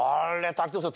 滝藤さん